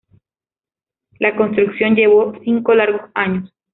La construcción llevó cinco largos años.